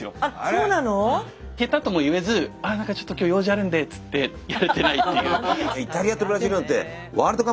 下手とも言えずああなんかちょっと今日用事あるんでっつってやれてないっていう。